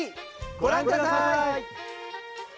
ご覧ください。